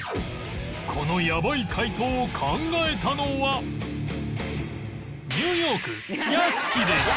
このやばい回答を考えたのはニューヨーク屋敷でした